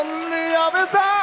阿部さん。